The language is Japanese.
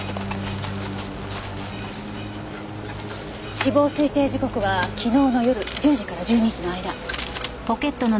死亡推定時刻は昨日の夜１０時から１２時の間。